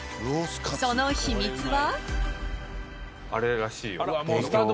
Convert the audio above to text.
その秘密は。